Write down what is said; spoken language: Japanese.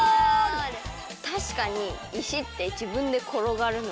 たしかにいしってじぶんでころがるので。